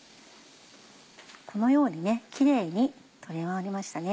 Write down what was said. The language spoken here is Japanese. このようにキレイに取り終わりましたね。